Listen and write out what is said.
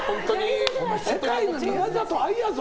世界の宮里藍やぞ。